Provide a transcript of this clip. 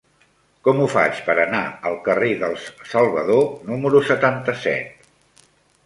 Com ho faig per anar al carrer dels Salvador número setanta-set?